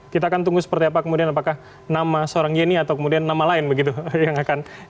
kita akan tunggu seperti apa kemudian apakah nama seorang yeni atau kemudian nama lain begitu yang akan